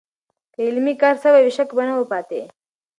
که عملي کار سوی و، شک به نه و پاتې.